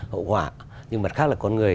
hậu quả nhưng mặt khác là con người